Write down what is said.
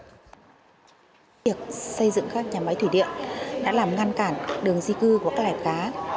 việc xây dựng các nhà máy thủy điện đã làm ngăn cản đường di cư của các lẻ cá